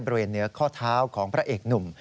เหนือข้อเท้าของพระเอกหนุ่ม